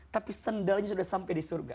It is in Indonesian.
tapi sendalnya sudah sampai di surga